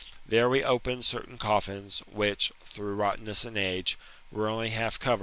There we opened certain coffins wliichj^through rottenness and age, irCTe"pnTy" half *, v.